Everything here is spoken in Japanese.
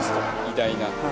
偉大な。